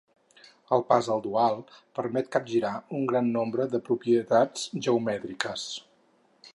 El pas al dual permet capgirar un gran nombre de propietats geomètriques.